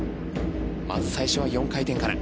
まず最初は４回転から。